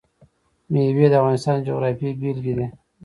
مېوې د افغانستان د جغرافیې بېلګه ده.